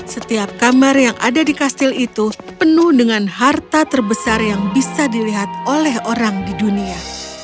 setiap kamar yang ada di kastil itu penuh dengan harta terbesar yang bisa dilihat oleh orang di dunia